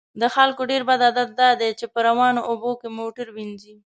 د خلکو ډیر بد عادت دا دی چې په روانو اوبو کې موټر وینځي